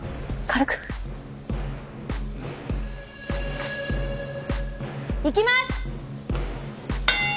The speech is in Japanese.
軽く。いきます！